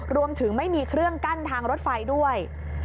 รวมถึงไม่มีเครื่องกั้นทางรถไฟด้วย